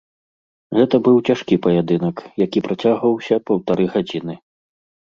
Гэта быў цяжкі паядынак, які працягваўся паўтары гадзіны.